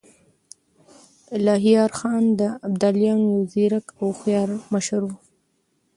الهيار خان د ابدالیانو يو ځيرک او هوښیار مشر و.